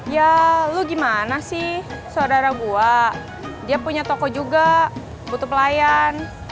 ya lu gimana sih saudara gue dia punya toko juga butuh pelayan